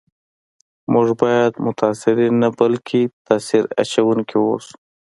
موږ باید متاثرین نه بلکي تاثیر اچونکي و اوسو